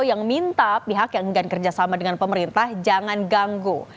yang minta pihak yang tidak kerja sama dengan pemerintah jangan ganggu